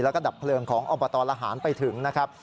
แล้วก็ดับเพลิงของอบตละหารไปถึงนะครับ